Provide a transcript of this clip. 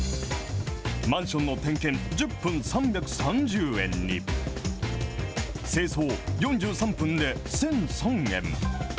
マンションの点検１０分３３０円に、清掃４３分で１００３円。